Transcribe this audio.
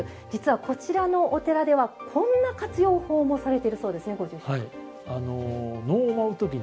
実はこちらのお寺ではこんな活用法もされているそうですねご住職。